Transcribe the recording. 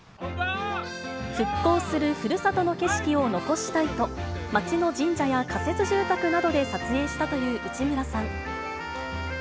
復興するふるさとの景色を残したいと、町の神社や仮設住宅などで撮影したという内村さん。